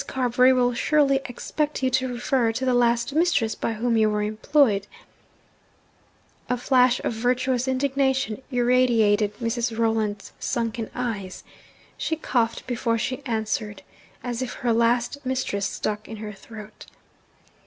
Carbury will surely expect you to refer to the last mistress by whom you were employed.' A flash of virtuous indignation irradiated Mrs. Rolland's sunken eyes. She coughed before she answered, as if her 'last mistress' stuck in her throat.